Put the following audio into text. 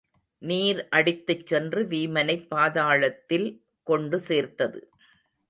நீர் அடித்துச் சென்று வீமனைப் பாதளத்தில் கொண்டு சேர்த்தது.